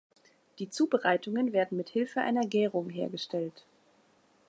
Die Zubereitungen werden mit Hilfe einer Gärung hergestellt.